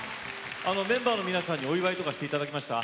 メンバーの皆さんにお祝いとかして頂きました？